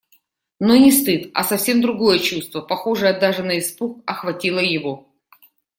Но не стыд, а совсем другое чувство, похожее даже на испуг, охватило его.